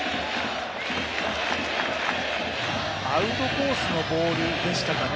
アウトコースのボールでしたかね。